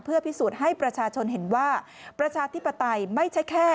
เพื่อพิสูจน์ให้ประชาชนเห็นว่า